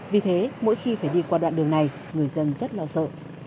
vì thế mỗi khi phải đi qua đoạn đường này người dân rất lo sợ